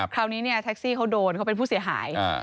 คราวนี้เนี่ยแท็กซี่เขาโดนเขาเป็นผู้เสียหาย